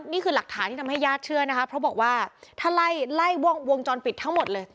นี่คือหลักฐานที่ทำให้ญาติเชื่อนะคะเพราะบอกว่าถ้าไล่ไล่วงจรปิดทั้งหมดเลย